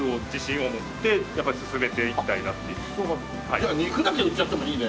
じゃあ肉だけ売っちゃってもいいね。